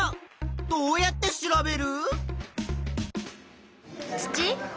どうやって調べる？